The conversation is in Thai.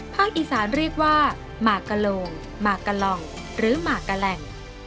อีสานเรียกว่าหมากกะโลงหมากกะหล่องหรือหมากกะแหล่ง